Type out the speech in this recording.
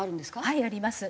はいあります。